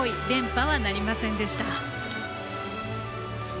連覇はなりませんでした。